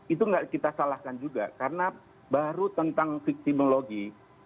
itu tidak kita salahkan juga karena baru tentang fiktimologi